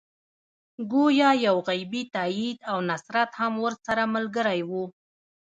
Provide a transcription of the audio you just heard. ګویا یو غیبي تایید او نصرت هم ورسره ملګری دی.